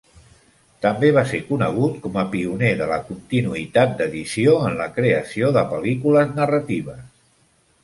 També va ser conegut com a pioner de la continuïtat d'edició en la creació de pel·lícules narratives.